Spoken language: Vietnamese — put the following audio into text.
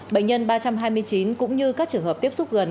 bệnh nhân ba trăm hai mươi chín cũng như các trường hợp tiếp xúc gần